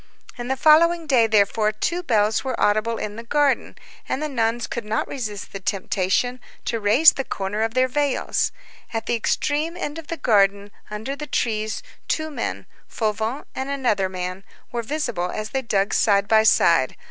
On the following day, therefore, two bells were audible in the garden, and the nuns could not resist the temptation to raise the corner of their veils. At the extreme end of the garden, under the trees, two men, Fauvent and another man, were visible as they dug side by side.